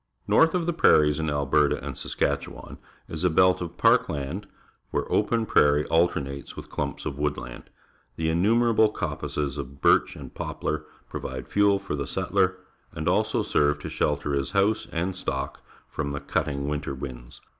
North of the prairies in Alberta and Saskatchewan is a belt of park land, where open prairie alternates with clumps of wood land. The innumerable coppices of birch and poplar pro\'ide fuel for the settler, and also serve to shelter his house and stock from the cutting ^ inter winds.